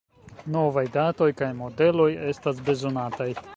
Novaj datoj kaj modeloj estas bezonataj.